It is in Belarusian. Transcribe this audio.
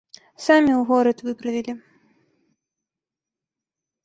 Самі ў горад выправілі.